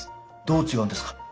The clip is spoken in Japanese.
どう違うんですか？